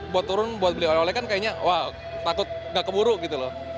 buat turun buat beli oleh oleh kan kayaknya wah takut nggak keburu gitu loh